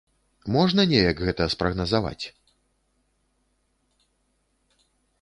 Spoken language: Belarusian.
Можна неяк гэта спрагназаваць?